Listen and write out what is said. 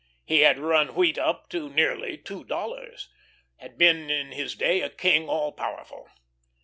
He had run wheat up to nearly two dollars, had been in his day a king all powerful.